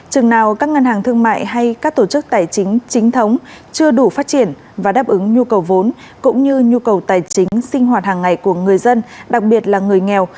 chừng nào các ngân hàng thương mại hay các tổ chức tài chính chính thống chưa đủ phát triển và đáp ứng nhu cầu vốn cũng như nhu cầu tài chính sinh hoạt hàng ngày của người dân đặc biệt là người nghèo